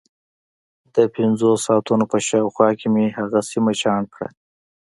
د پنځه ساعتونو په شاوخوا کې مې هغه سیمه چاڼ کړه.